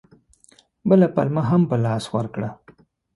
بله پلمه هم په لاس ورکړه.